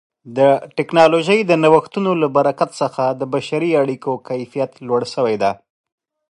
د ټکنالوژۍ د نوښتونو له برکت څخه د بشري اړیکو کیفیت لوړ شوی دی.